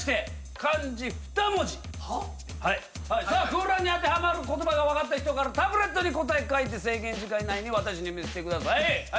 空欄に当てはまる言葉が分かった人からタブレットに答え書いて制限時間以内に私に見せてください。